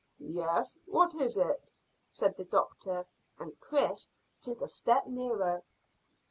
"Yes; what is it?" said the doctor, and Chris took a step nearer.